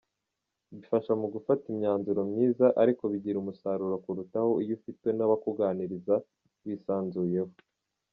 Bifasha mu gufata imyanzuro myiza, ariko bigira umusaruro kurutaho iyo ufite n’abakuganiriza wisanzuyeho.